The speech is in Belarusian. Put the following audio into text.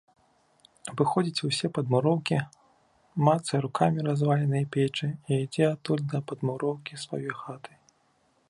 Абыходзіць усе падмуроўкі, мацае рукамі разваленыя печы і ідзе адтуль да падмуроўкі сваёй хаты.